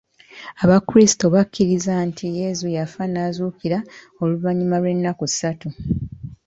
Abakrisito bakkiriza nti Yesu yafa n'azuukira oluvannyuma lw'ennaku ssatu.